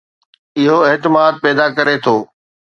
اهو اعتماد پيدا ڪري ٿو